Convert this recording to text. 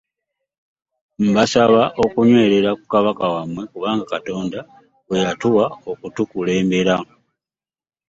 Mbasaba okunywerera ku Kabaka wammwe kubanga Katonda gwe yatuwa okutukulembera